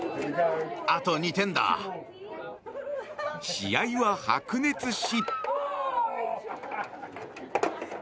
試合は白熱し。